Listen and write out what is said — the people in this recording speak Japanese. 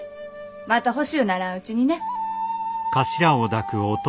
また欲しゅうならんうちにね。